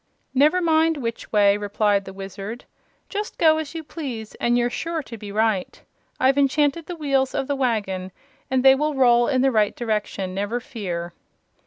"Never mind which way," replied the Wizard. "Just go as you please and you're sure to be right. I've enchanted the wheels of the wagon, and they will roll in the right direction, never fear."